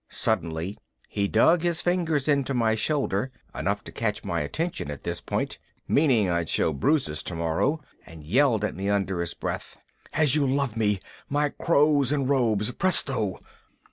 Suddenly he dug his fingers into my shoulder, enough to catch my attention at this point, meaning I'd show bruises tomorrow, and yelled at me under his breath, "And you love me, our crows and robes. Presto!"